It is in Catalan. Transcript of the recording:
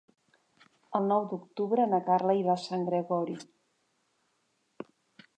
El nou d'octubre na Carla irà a Sant Gregori.